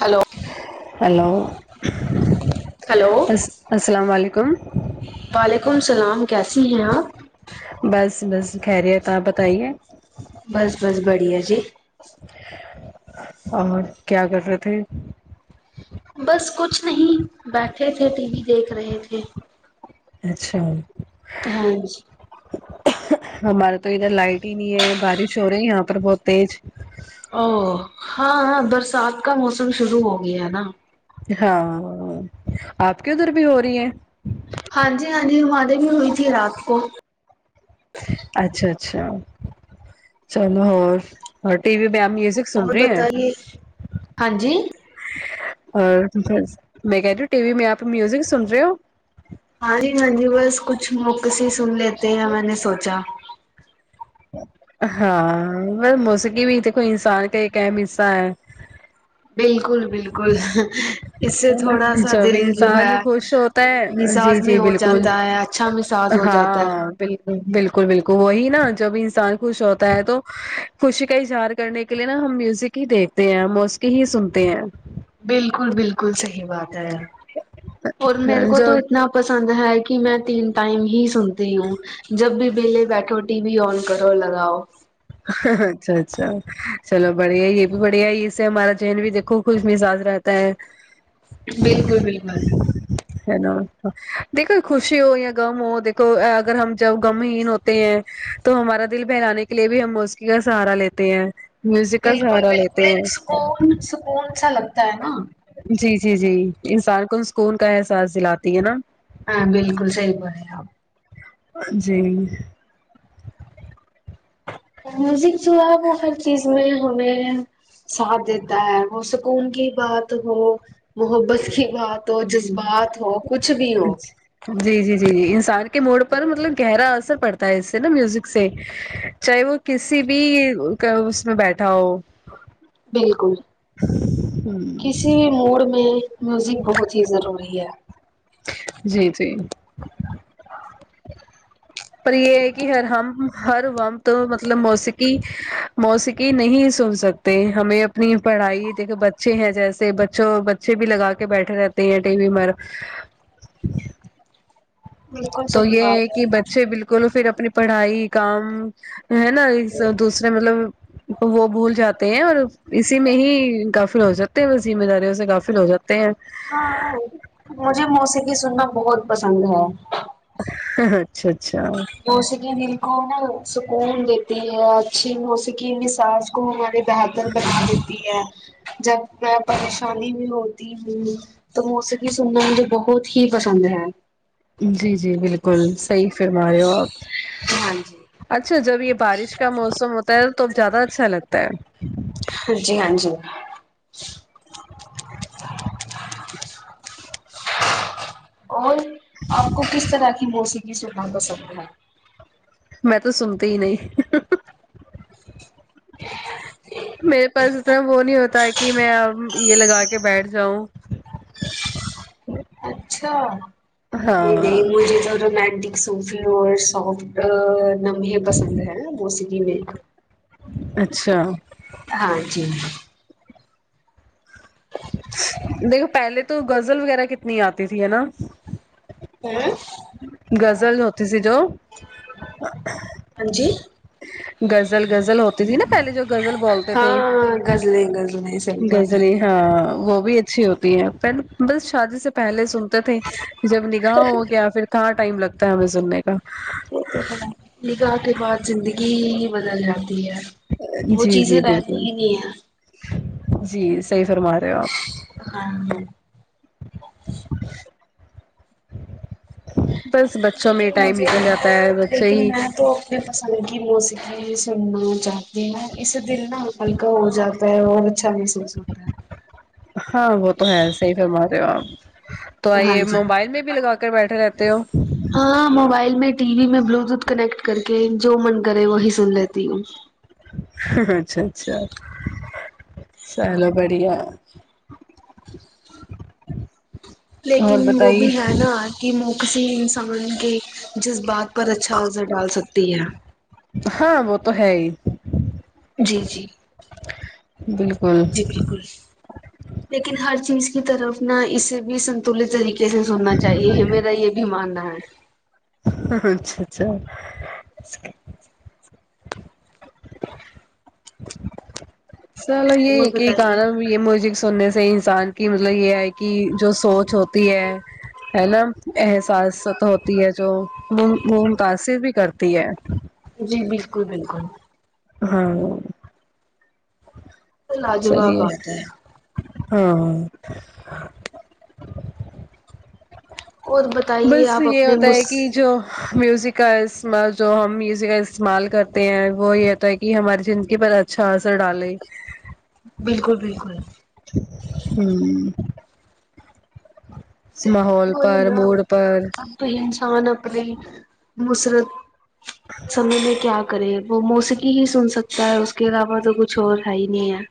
Hello hello hello السلام علیکم وعلیکم السلام کیسی ہیں آپ بس بس خیری ہے آپ بتائیے بس بس بڑھیا جی اور کیا کر رہے تھے بس کچھ نہیں بیٹھے تھے ٹی وی دیکھ رہے تھے اچھا ہاں جی ہمارے تو ادھر لائٹ ہی نہیں ہے بارش ہو رہی یہاں پر بہت تیج او ہاں ہاں برسات کا موسم شروع ہو گیا نا ہاں آپ کے ادھر بھی ہو رہی ہیں ہاں جی ہاں جی ہمارے بھی ہوئی تھی رات کو اچھا اچھا چلو اور اور ٹی وی پے آپ میوزک اور سنری ہیں بتائیے ہاں جی اور بس میں کہتی ہوں ٹی وی میں آپ میوزک سن رہے ہو ہاں جی ہاں جی بس کچھ موکسی ہی سن لیتے ہیں میں نے سوچا ہاں موسیکی بھی دیکھو انسان کا ایک اہم حصہ ہے بالکل بالکل اس سے ہے نا تھوڑا سا جب دل جو انسان ہے خوش ہوتا ہے مساس جی میں جی ہو بالکل جاتا ہے اچھا مساس ہو جاتا ہے ہاں بالکل بالکل بالکل وہی نا جب انسان خوش ہوتا ہے تو خوشی کا اظہار کرنے کے کے لیے نا ہم میوزک ہی دیکھتے ہیں موسکی ہی سنتے ہیں بالکل بالکل صحیح بات ہے اور میر کو جو تو اتنا پسند ہے کی میں تین ٹائم ہی سنتی ہوں جب بھی وہلے بیٹھو ٹی وی آن کرو لگاؤ اچھا اچھا چلو بڑھیا یے بھی بڑھیا ہے اس سے ہمارا چین بھی دیکھو خوش مساس رہتا ہے بالکل بالکل ہے نا دیکھو خوشی ہو یا غم ہو دیکھو اگر ہم جب گم ہین ہو تے ہیں تو ہمارا دل بھیلانے کے لیے بھی ہم موسیکی کا سہارا لیتے ہیں میوزک کا سہارا لیتے ہیں کون سکون سا لگتا ہے نا جی جی جی انسان کو سکون کا احساس دلاتی ہے نا ہاں بالکل صحیح بولے آپ آ جی میوزک جو ہے اب وہ ہر چیز میں ہمیں ساتھ دیتا ہے اور سکون کی بات ہو محبت کی بات ہو جذبات ہو کچھ بھی ہو جی جی جی انسان کے موڈ پر مطلب گہرا اثر پڑتا ہے اس سے نا میوزک سے چاہے وہ کسی بھی کا اس میں بیٹھا ہو بالکل کسی موڈ میں میوزک بہت ہی ضروری ہے جی جی پر یے ہے کی ہر ہم ہر وم تو مطلب موسیکی موسیکی نہیں سن سکتے تے ہمیں اپنی پڑھائی دیکھے بچے ہیں جیسے بچوں بچے بھی لگا کے بیٹھے رہتے ہیں ٹی وی مر [inaudible] بالکل تو صحیح یے ہے بات کی بچے بالکل فیر اپنی پڑھائی کام ہے نا دوسرے مطلب تو وہ بھول جاتے ہیں اور اسی میں ہی گافل ہو جاتے ہیں ذمہ داریوں سے گافل ہو جاتے ہیں ہاں مجھے موسیکی سننا بہت پسند ہے اچھا اچھا موسیکی دل کو نا سکون دیتی ہے اچھی موسیکی مساج کو ہمارے بہتر بنا دیتی ہے جب میں پریشانی میں ہوتی ہوں تو موسیقی سننا مجھے بہت ہی پسند ہے جی جی بالکل صحیح فرما رہے ہو آپ ہاں جی اچھا جب یہ بارش کا موسم ہوتا ہے تو زیادہ اچھا لگتا ہے ہاں جی ہاں جی [inaudible] اور آپ کو کس طرح کی موسیقی سننا پسند ہے میں تو سنتی ہی نہیں میرے پاس اتنا وہ نہیں ہوتا ہے کہ میں یہ لگا کے بیٹھ جاؤں [inaudible] اچھا نہیں نہیں ہاں مجھے زیادہ رومانٹک سوفی اور سافٹ نمحے پسند ہے موسیقی میں اچھا ہاں جی دیکھو پہلے تو غزل وغیرہ کتنی آتی تھی ہے نا ھمم غزل ہوتی تھی جو ہاں جی غزل غزل ہوتی تھی نا پہلے جو غزل بولتے تھے ہاں غزلیں غزلیں صحیح بات ہے غزلیں ہاں وہ بھی اچھی ہوتی ہے پر بس شادی سے پہلے سنتے تھے جب نکاح ہو گیا پھر کہاں ٹائم لگتا ہے ہمیں سننے کا [unintelligible] نکاح کے بعد زندگی ہی بدل جاتی ہے وہ جی جی چیزیں رہتی بالکل ہی نہیں ہیں جی صحیح فرما رہے ہو آپ ہاں ہاں [inaudible] بس بچوں میں لیکن ٹائم مجھے نکل دیکھو جاتا ہے بچے لیکن ہی میں تو فصل کی موسیقی سننا چاہتی ہیں اسے دل نہ ہلکا ہو جاتا ہے وہ اچھا محسوس ہوتا ہے ہاں وہ تو ہے صحیح فرما رہے ہو آپ تو ہاں آئی جی موبائل میں بھی لگا کر بیٹھے رہتے ہو ہاں موبائل میں ٹی وی میں بلوٹوتھ کنیکٹ کر کے جو من کرے وہی سن لیتی ہوں اچھا اچھا چلو بڑھیا ہے اور لیکن وہ بھی بتائیے ہے نا کی موقسی انسان کے جذبات پر اچھا اثر ڈال سکتی ہے ہاں وہ تو ہے ہی جی جی بالکل جی بالکل لیکن ہر چیز کی طرف نا اسے بھی سنتولت طریقے جیسے سننا چاہیے یہ میرا یہ بھی ماننا ہے ہم اچھا اچھا چلو یہ اور کہ بتائیے گانا یہ میوزک سننے سے انسان کی مطلب یہ ہے کہ جو سوچ ہوتی ہے ہے نا احساس ہوتی ہے جو وہ متاثر بھی کرتی ہے جی بالکل بالکل ہاں لاجواب چلیے بات ہے ہاں اور بتائیے بس آپ یہ اپنے ہوتا ہے مس کی جو میوزک کا استعمال جو ہم میوزک کا استعمال کرتے ہیں وہ یہ ہوتا ہیکی یہ ہماری زندگی پر اچھا اثر ڈالے بالکل بالکل ہوں سے ماحول وہی پر نا موڈ پر اب تو انسان اپنے مسرت سمے میں کیا کرے وہ میوزک ہی سن سکتا ہے اس کے علاوہ تو کچھ اور ہے ہی نہیں ہے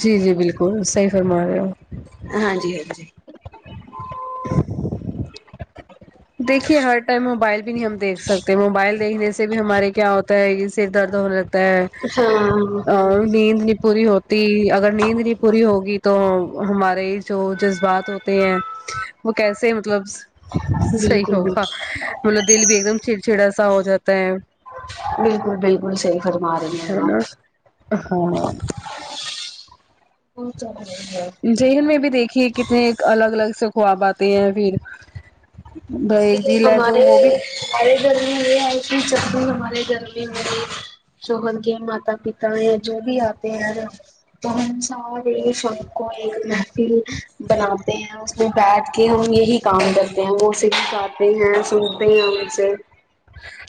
جی جی بالکل صحی فرما رہے ہو ہاں جی ہاں جی دیکھیے ہر ٹائم موبائل بھی نہیں ہم دیکھ سکتے موبائل دیکھ سے سے بھی ہمارے کیا ہوتا ہے یہ سر درد ہونے لگتا ہے ہاں اور نیند نہیں پوری ہوتی تی اگر نیند نہیں پوری ہوگی تو ہمارے جو جذبات ہوتے ہیں وہ کیسے مطلب صحیح بالکل ہوگا بالکل مطلب دل بھی ایک دم چڑچڑا سا ہو جاتا ہے بالکل بالکل صحی فرما رہے ہیں نا ہاں بہت زیادہ ہے ہی ہے۔ میں بھی دیکھیے کتنے الگ الگ سے خواب آتے ہیں پھر دو جی لے ہمارے وہ بھی ہمارے گرمی یہ ہے کہ جبد ہمارے گرمی ہوگی [unintelligible] شوہر کے ماتا پتا ہیں جو بھی آتے ہیں تو ہم سار یہ فن کو ایک محفل بناتے ہیں بیٹھ کے ہم یہی کام کرتے ہیں ہمے کھاتے ہیں سنتے ہیں ان سے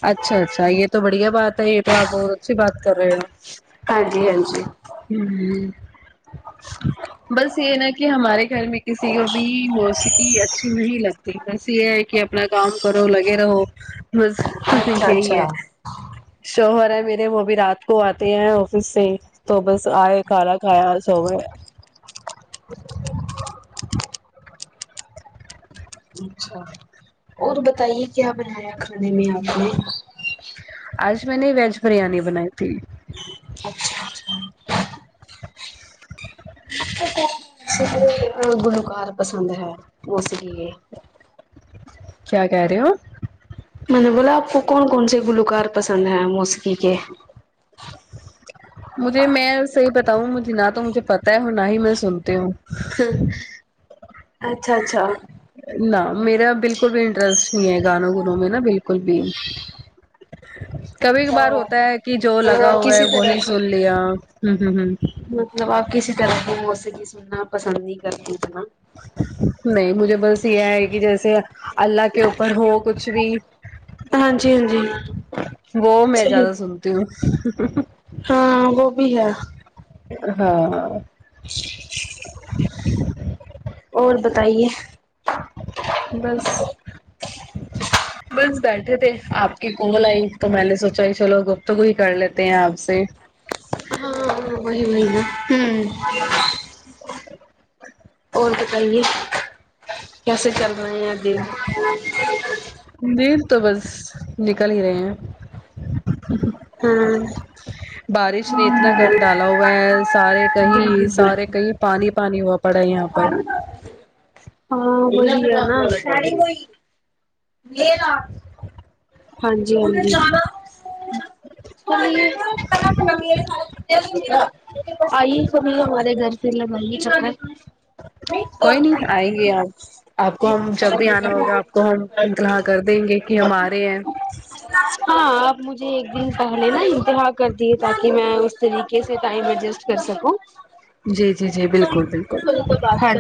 اچھا اچھا یہ تو بڑھیا بات ہے یہ تو آپ بہت اچھی بات کر رہے ہو ہاں جی ہاں جی امم بس یہ نا کہ ہمارے گھر میں کسی کو بھی موسیقی اچھی نہیں لگتی بس یہ ہے کہ اپنا کام کرو لگے رہو بس اچھا یہی اچھا ہے شوہر ہے میرے وہ ا بھی رات کو آتے ہیں آفس سے تو بس آئے کھانا کھایا اور سوگئے اچھا اور بتائیے کیا بنایا کھانے میں آپ نے آج میں نے ویج بریانی بنائی تھی اچھا اچھا گلوکار پسند ہے موسیقی کے کیا کہہ رہے ہو میں نے بولا آپ کو کون کون سے گلوکار پسند ہیں موسیقی کے مجھے میں صحیح بتاؤں مجھے نہ تو مجھے پتہ ہے اور نہ ہی میں سنتی ہوں اچھا اچھا نہ میرا بالکل بھی انٹرسٹ نہیں ہے گانوں گونو میں نا بالکل بھی کبھی کبھار ہوتا ہے کہ جو ہاں لگا ہوا ہے کسی طرح وہی کی سن لی یا ہوں ہوں ہوں مطلب آپ کسی طرح کی موسیقی سننا پسند نہیں کرتی اتنا نہیں مجھے بس یہ ہے کہ جیسے اللہ کے اوپر ہو کچھ بھی ہاں جی ہاں جی وہ میں صحیح [unintelligible] ہاں وہ بھی ہے ہاں [unintelligible] اور بتائیے بس بس بیٹھے تھے آپ کے کال آئی تو میں نے سوچا چلو گفتگو ہی کر لیتے ہیں آپ سے وہئی وہئی وہئی ہوں اور بتائیے کیسے چل رہے ہیں دن دن تو بس نکل ہی رہے ہیں ہاں بارش نے اتنا گند ڈالا ہوا ہے سارے کہیں بالکل سارے بالکل کہیں پانی پانی ہوا پڑا ہے یہاں پر ہاں [unintelligible] ہاں جی ہاں جی [unintelligible] آئیے کبھی ہمارے گھر پھر لگایئے چکر کوئی نہیں آئیں گے آپ آپ کو ہم جب بھی آنا ہوگا آپ کو ہم اطلاع کر دیں گے کہ ہم آرہے ہیں ہاں آپ مجھے ایک دن پہلے نا اطلاع کر دیے تاکہ میں اس طریقے سے ٹائم ایڈجسٹ کر سکوں جی جی جی بالکل بالکل ہاں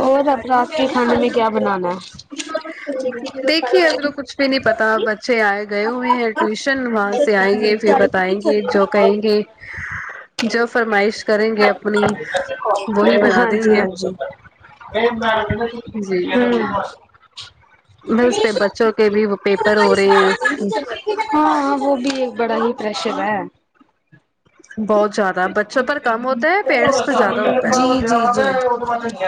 اور رات کے کھانے میں کیا بنانا ہے دیکھیے ابھی تو کچھ بھی نہیں پتا ہے بچے آئے گئے ہوئے ہیں ٹیوشن ہاں وہاں سے سے آئیں گے پھر بتائیں گے جو کہیں گے جو فرمائش کریں گے اپنی وہی بنا ہاں دیں جی گے ہاں جی ہم ہاں جی بس پہ بچوں کے بھی وہ پیپر ہو رہے ہیں ہاں وہ بھی ہے بڑا ہی پریشر ہے بہت زیادہ بچوں پر کم ہوتا ہے جی پیرنٹس پہ زیادہ ہوتا ہے جی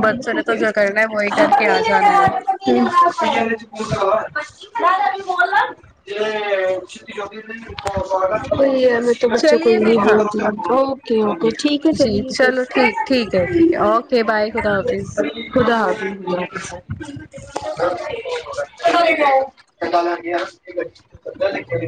بچوں نے تو جو کرنا ہے وہی کر کے آ جانا ہے [inaudible] [inaudible] [inaudible] وہی ہے میں تو بچوں کو ہی چلیے نہیں پھر ہاں بولتی اوکے اوکے ٹھیک ہے جی چلیے چلو پھر ٹھیک ٹھیک ہے ٹھیک ہے اوکے بائے خدا حافظ خدا حافظ [inaudible]